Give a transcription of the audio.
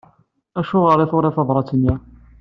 Acuɣer i turiḍ tabrat-nni?